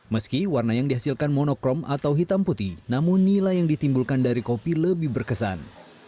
meski warna yang dihasilkan monokrom atau hitam putih namun nilai yang ditimbulkan dari kopi lebih berkesan